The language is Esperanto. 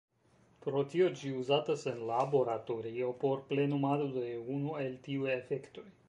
Pro tio, ĝi uzatas en laboratorio por plenumado de unu el tiuj efektoj.